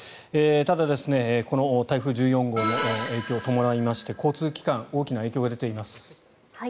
ただ、この台風１４号の影響に伴いまして交通機関大きな影響が出ています。